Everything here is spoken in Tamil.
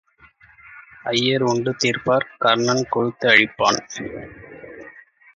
ஐயர் உண்டு தீர்ப்பார் கர்ணன் கொடுத்து அழிப்பான்.